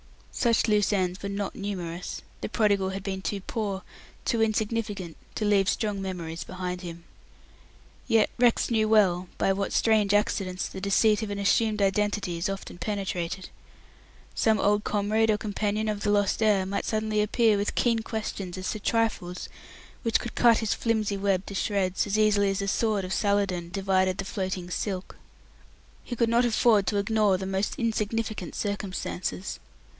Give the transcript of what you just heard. Such loose ends were not numerous; the prodigal had been too poor, too insignificant, to leave strong memories behind him. Yet Rex knew well by what strange accidents the deceit of an assumed identity is often penetrated. Some old comrade or companion of the lost heir might suddenly appear with keen questions as to trifles which could cut his flimsy web to shreds, as easily as the sword of Saladin divided the floating silk. He could not afford to ignore the most insignificant circumstances.